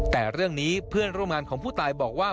แต่เรื่องนี้เพื่อนร่วมงานของผู้ตายบอกว่า